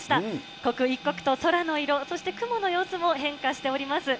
刻一刻と空の色、そして雲の様子も変化しております。